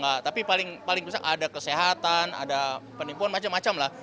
nah tapi paling besar ada kesehatan ada penipuan macam macam lah